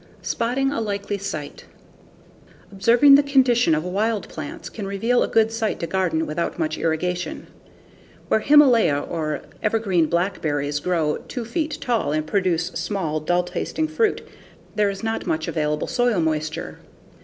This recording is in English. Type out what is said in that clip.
Spotting a Likely Site Observing the condition of wild plants can reveal a good site to garden without much irrigation. Where Himalaya or Evergreen blackberries grow 2 feet tall and produce small, dull tasting fruit, there is not much available soil moisture.